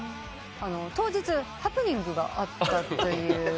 当日ハプニングがあったということで。